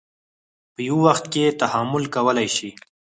په یوه وخت کې تحمل کولی شي.